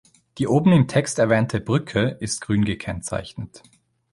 Die oben im Text erwähnte „Brücke“ ist grün gekennzeichnet.